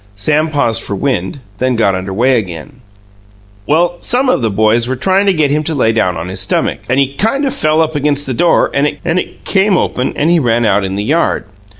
Sam paused for wind, then got under way again: "Well, some of the boys were tryin' to get him to lay down on his stummick, and he kind of fell up against the door and it came open and he ran out in the yard.